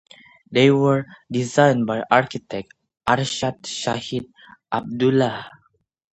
They were designed by architect Arshad Shahid Abdulla.